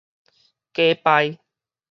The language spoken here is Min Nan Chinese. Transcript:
假俳